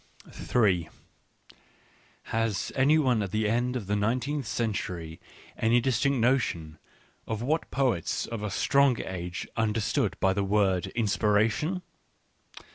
Ha)s any one at the end of the nineteenth century any distinct notion of what poets of a stronger age understood by the word inspiration